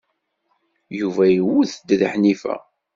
Yuba iwet-d deg Ḥnifa.